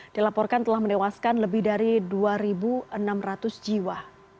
dilaporkan telah menewaskan lebih dari dua enam ratus jiwa